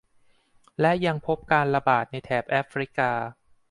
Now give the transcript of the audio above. และยังพบการระบาดในแถบแอฟริกา